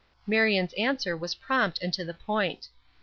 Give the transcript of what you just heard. Marion's answer was prompt and to the point.